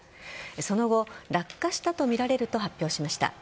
その後、落下したとみられると発表しました。